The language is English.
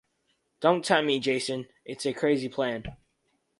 Don't tempt me, Jason, it's a crazy plan.